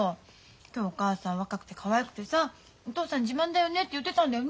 今日お母さん若くてかわいくてさお父さん自慢だよねって言ってたんだよね。